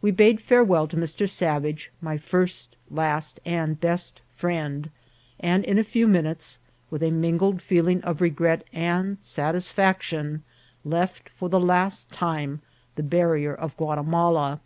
We bade farewell to Mr. Savage, my first, last, and best friend, and in a few minutes, with a mingled feeling of regret and satisfaction, left for the last time the barrier of Gua timala.